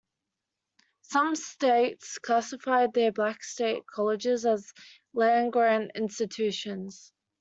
Some states classified their black state colleges as land grant institutions.